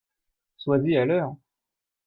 Sois-y à l'heure !